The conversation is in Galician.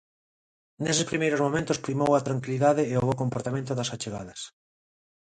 Neses primeiros momentos primou a tranquilidade e o bo comportamento das achegadas.